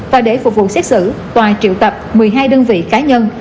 và để phục vụ xét xử tòa triệu tập một mươi hai đơn vị cá nhân